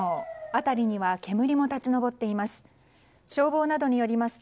辺りには煙も立ち上っています。